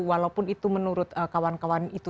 walaupun itu menurut kawan kawan itu